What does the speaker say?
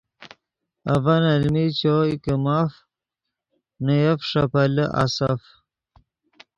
اڤن المین چوئے کہ ماف نے یف ݰے پیلے آسف